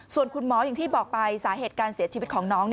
ส่วนคุณหมออย่างที่บอกไปสาเหตุการเสียชีวิตของน้อง